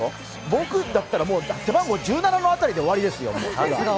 僕だったらもう、背番号１７番辺りで終わりですよ。